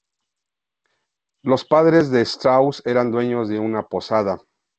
Los padres de Strauss eran dueños de una posada.